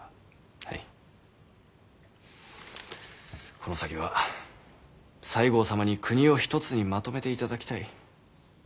この先は西郷様に国を一つにまとめていただきたい。